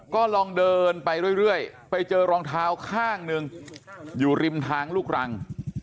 ก็ลองเดินไปเรื่อยไปเจอรองเท้าข้างหนึ่งอยู่ริมทางลูกรัง